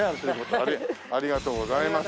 ありがとうございます。